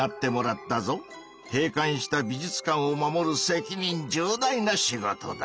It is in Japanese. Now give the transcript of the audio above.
閉館した美術館を守る責任重大な仕事だ。